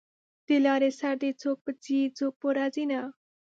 د لارې سر دی څوک به ځي څوک به راځینه